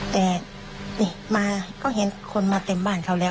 แต่นี่มาก็เห็นคนมาเต็มบ้านเขาแล้ว